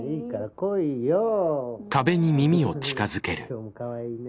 今日もかわいいね。